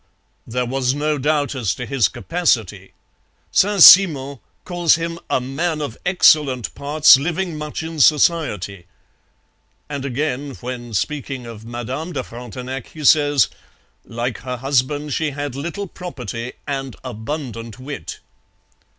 There was no doubt as to his capacity. Saint Simon calls him 'a man of excellent parts, living much in society.' And again, when speaking of Madame de Frontenac, he says: 'Like her husband she had little property and abundant wit.'